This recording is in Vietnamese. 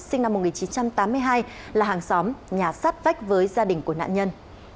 sinh năm một nghìn chín trăm tám mươi hai là hàng xóm nhà sát vách với gia đình của nạn nhân